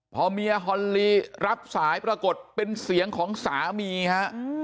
พอเมียฮอนลีรับสายปรากฏเป็นเสียงของสามีฮะ